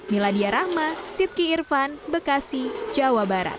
miladia rahma sidki irfan bekasi jawa barat